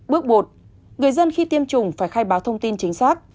bước một người dân khi tiêm chủng phải khai báo thông tin chính xác